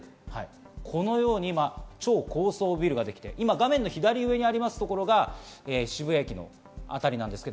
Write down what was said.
このように超高層ビルができて画面左上にありますところが渋谷駅のあたりです。